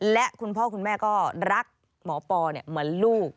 และคุณพ่อคุณแม่ก็รักหมอปอเหมือนลูก